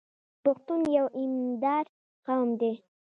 پښتون یو ایماندار قوم دی.